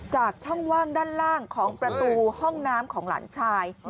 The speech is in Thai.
ช่องว่างด้านล่างของประตูห้องน้ำของหลานชาย